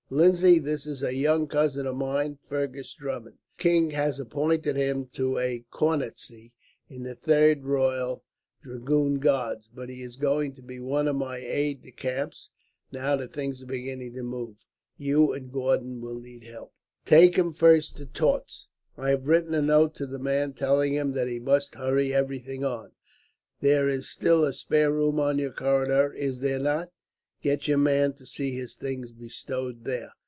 "Lindsay, this is a young cousin of mine, Fergus Drummond. The king has appointed him to a cornetcy in the 3rd Royal Dragoon Guards, but he is going to be one of my aides de camp. Now that things are beginning to move, you and Gordon will need help. "Take him first to Tautz. I have written a note to the man, telling him that he must hurry everything on. There is still a spare room on your corridor, is there not? Get your man to see his things bestowed there.